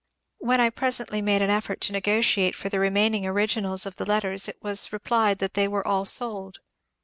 When I presently made an effort to negotiate for the remain ing originals of the letters, it was replied that they were all sold.